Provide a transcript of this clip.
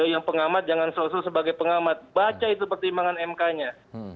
yang pengamat jangan sosok sebagai pengamat baca itu pertimbangan mk nya